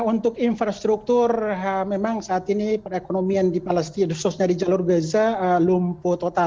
untuk infrastruktur memang saat ini perekonomian di palestina khususnya di jalur gaza lumpuh total